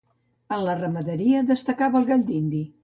En la ramaderia destacava el gall d'indi.